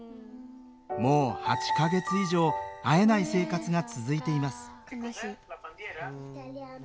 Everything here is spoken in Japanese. もう８か月以上会えない生活が続いています